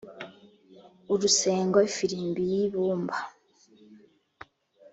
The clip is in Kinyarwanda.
urusengo : ifirimbi y'ibumba